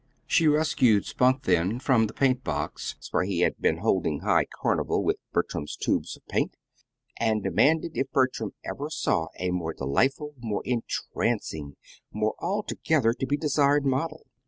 She rescued Spunk then from the paint box where he had been holding high carnival with Bertram's tubes of paint, and demanded if Bertram ever saw a more delightful, more entrancing, more altogether to be desired model.